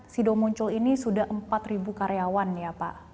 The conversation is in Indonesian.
sido muncul ini sudah empat karyawan ya pak